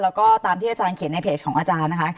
แล้วก็ตามที่อาจารย์เขียนในเพจของอาจารย์นะคะ